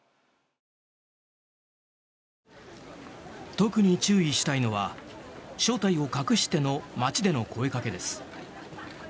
特に注意したいのは正体を隠しての街での声かけです。